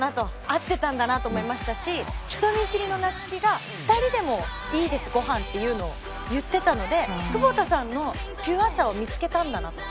合ってたんだなと思いましたし人見知りの夏希が「２人でもいいですごはん」っていうのを言ってたので久保田さんのピュアさを見付けたんだなと。